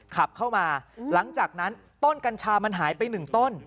ขับเข้ามาหลังจากนั้นต้นกัญชามันหายไปหนึ่งต้น